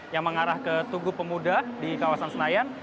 yang mengarah ke tugu pemuda di kawasan senayan